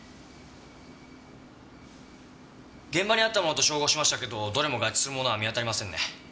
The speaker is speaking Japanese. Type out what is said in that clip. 現場にあったものと照合しましたけどどれも合致するものは見当たりませんね。